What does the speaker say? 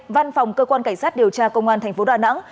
văn phòng cơ quan cảnh sát điều tra công an thành phố đà nẵng